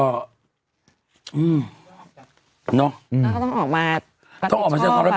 แล้วก็ต้องออกมารับผิดชอบ